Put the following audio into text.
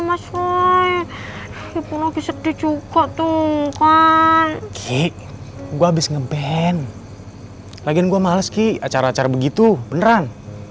mas roy ibu sedih juga tuh kan ki gua abis ngeband lagian gua males ki acara acara begitu beneran